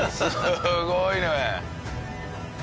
すごいね！